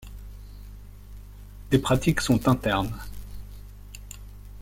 Des pratiques sont internes.